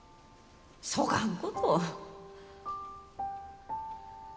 そがんこと。